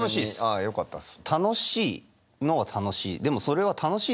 あよかったです。